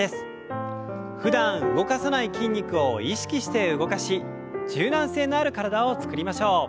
ふだん動かさない筋肉を意識して動かし柔軟性のある体を作りましょう。